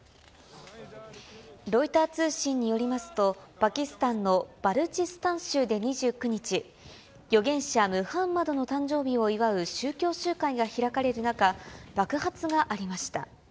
ロイター通信によりますと、パキスタンのバルチスタン州で２９日、預言者ムハンマドの誕生日を祝う宗教集会が開かれる中、爆発がありました。